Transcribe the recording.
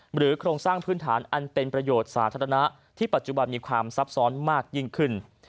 โครงสร้างพื้นฐานอันเป็นประโยชน์สาธารณะที่ปัจจุบันมีความซับซ้อนมากยิ่งขึ้น